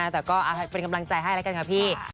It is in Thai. แต่ก็เป็นกำลังใจให้แล้วกันค่ะพี่